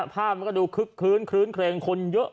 ภาพมันก็ดูคึกคลื้นคลื้นเครงคนเยอะ